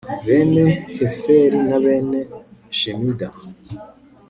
bene heferi na bene shemida